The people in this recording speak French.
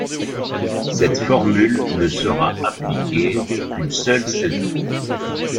Cette formule ne sera appliquée qu'une seule saison.